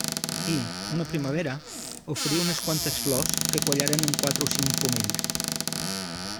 I, una primavera, oferí unes quantes flors que quallaren en quatre o cinc pomells.